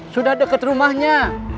sudah deket rumahnya